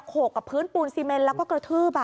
โขกกับพื้นปูนซีเมนแล้วก็กระทืบ